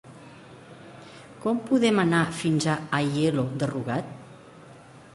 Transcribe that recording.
Com podem anar fins a Aielo de Rugat?